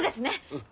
うん。